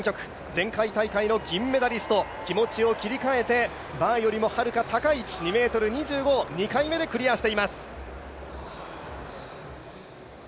前回大会の銀メダリスト気持ちを切り替えてバーよりもはるか高い位置、２ｍ２５を２回目でクリアしています。